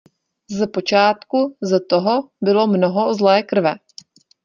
Z počátku z toho bylo mnoho zlé krve.